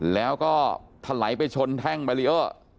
แล้วก็ทะไหลไปชนแท่งบาลีเอ่อ